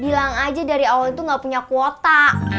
bilang aja dari awal itu gak punya kuota